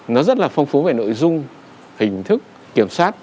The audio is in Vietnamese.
nó rất là phong phú về nội dung hình thức kiểm soát